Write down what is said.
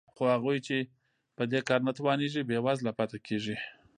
خو هغوی چې په دې کار نه توانېږي بېوزله پاتې کېږي